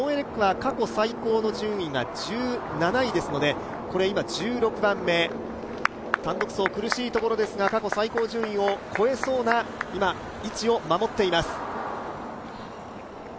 過去最高の順位が１７位ですので、今１６番目、単独走、苦しいところですが、過去最高順位を超えそうな位置を守っています。